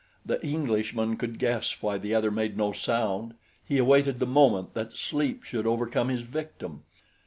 The Englishman could guess why the other made no sound he awaited the moment that sleep should overcome his victim.